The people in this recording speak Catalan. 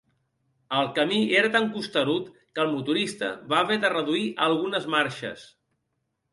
El camí era tan costerut que el motorista va haver de reduir algunes marxes.